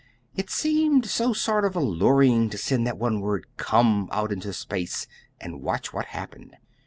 "It seemed so sort of alluring to send that one word 'Come' out into space, and watch what happened."